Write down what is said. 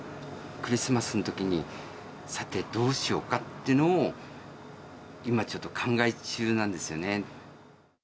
クリスマスのときに、さて、どうしようかっていうのを、今ちょっと考え中なんですよね。